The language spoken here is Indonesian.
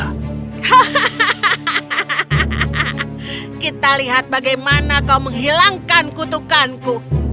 hahaha kita lihat bagaimana kau menghilangkan kutukanku